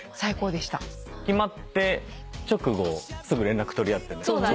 決まって直後すぐ連絡取り合ってね。